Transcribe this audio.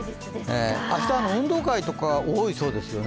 明日、運動会とか多いそうですよね